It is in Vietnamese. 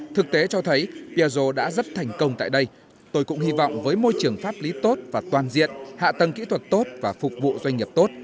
thực tế cho thấy piazo đã rất thành công tại đây tôi cũng hy vọng với môi trường pháp lý tốt và toàn diện hạ tầng kỹ thuật tốt và phục vụ doanh nghiệp tốt